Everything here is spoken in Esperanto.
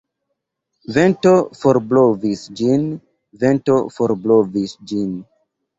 Vento forblovis ĝin, Vento forblovis ĝin.